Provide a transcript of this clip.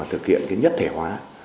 thực hiện nhất thể hóa